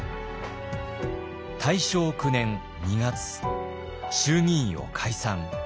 大正９年２月衆議院を解散。